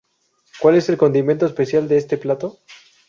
¿Cuál es el condimento especial de este plato?